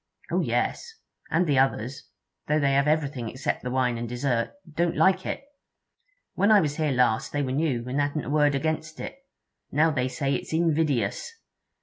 'Oh yes. And the others, though they have everything except the wine and dessert, don't like it. When I was here last they were new, and hadn't a word against it. Now they say it's invidious!